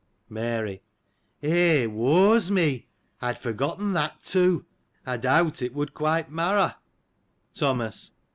Mary. — Eh ! woe's me ! I had forgotten that, too ! I doubt it would quite mar a.' Thomas.